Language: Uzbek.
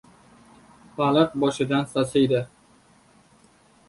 • Baliq boshidan sasiydi.